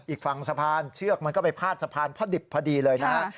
อีกฝั่งสะพานเชือกมันก็ไปพาดสะพานพระดิบพอดีเลยนะฮะ